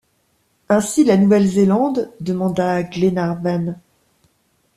Ainsi la Nouvelle-Zélande?... demanda Glenarvan.